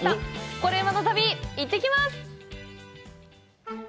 「コレうまの旅」いってきます！